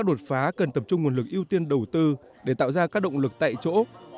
lực ưu tiên đầu tư để tạo ra các động lực tại chỗ